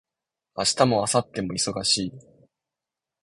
明日も明後日も忙しい